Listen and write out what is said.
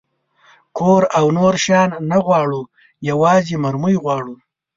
کور او نور شیان نه غواړو، یوازې مرمۍ غواړو.